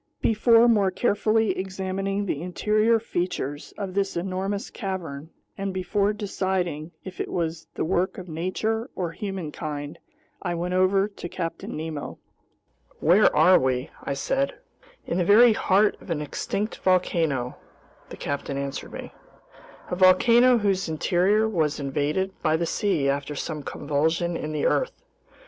Before more carefully examining the interior features of this enormous cavern, and before deciding if it was the work of nature or humankind, I went over to Captain Nemo. "Where are we?" I said. "In the very heart of an extinct volcano," the captain answered me, "a volcano whose interior was invaded by the sea after some convulsion in the earth.